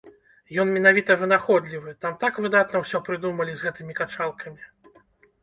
Ён менавіта вынаходлівы, там так выдатна ўсё прыдумалі з гэтымі качалкамі.